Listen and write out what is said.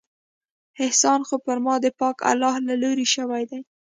احسان خو پر ما د پاک الله له لورې شوى دى.